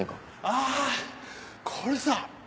ああこれさ